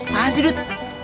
mana sih dud